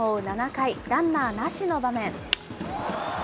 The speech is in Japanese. ７回、ランナーなしの場面。